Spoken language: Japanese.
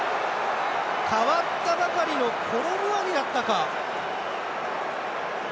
代わったばかりのコロムアニだったか。